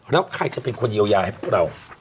แล้วใครจะเป็นคนเยียวยาให้พวกเรา